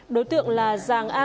đối tượng là giàng a kỳ